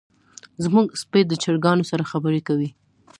زمونږ سپی د چرګانو سره خبرې کوي.